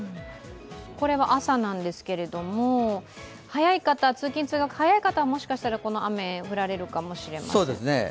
これは朝ですが、通勤・通学が早い方は、もしかしたら雨に降られるかもしれません。